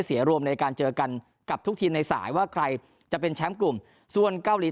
รวมในการเจอกันกับทุกทีมในสายว่าใครจะเป็นแชมป์กลุ่มส่วนเกาหลี